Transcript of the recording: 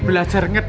saya juga jadi pengen